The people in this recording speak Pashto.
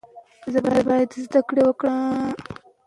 زده کړه انسان ته د سمو پرېکړو او مسؤلیت منلو توان ورکوي.